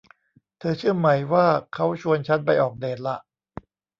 เธอเชื่อไหมว่าเค้าชวนชั้นไปออกเดทล่ะ